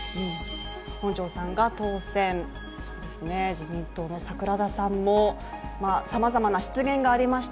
自民党の桜田さんもさまざまな失言がありました。